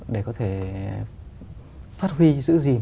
để có thể phát huy giữ gìn